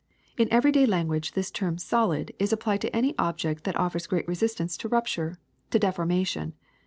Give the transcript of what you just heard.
^^In everyday language this term * solid' is applied to any object that offers great resistance to rupture, to deformation.